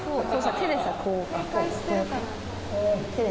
警戒してるかな。